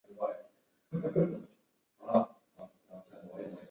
霍亨索伦桥是位于德国科隆的一座跨越莱茵河的桥梁。